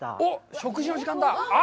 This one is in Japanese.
食事の時間だ！